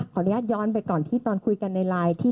อนุญาตย้อนไปก่อนที่ตอนคุยกันในไลน์ที่